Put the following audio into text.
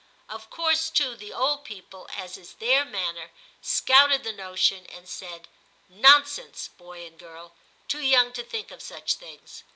Of course, too, the old people, as is their manner, scouted the notion, and said, ' Nonsense ; boy and girl ; too young to think of such things.'